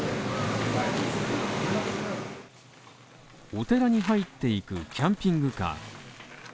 お寺に入っていく、キャンピングカー。